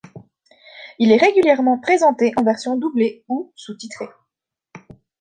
Il est régulièrement présenté en version doublée ou sous-titrée.